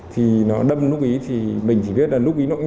thì nó đâm nút bí thì mình chỉ biết là nút bí nó nhanh